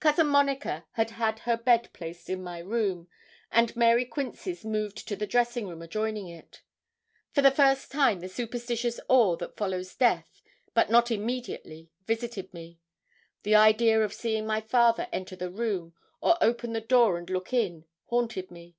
Cousin Monica had had her bed placed in my room, and Mary Quince's moved to the dressing room adjoining it. For the first time the superstitious awe that follows death, but not immediately, visited me. The idea of seeing my father enter the room, or open the door and look in, haunted me.